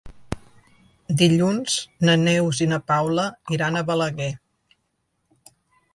Dilluns na Neus i na Paula iran a Balaguer.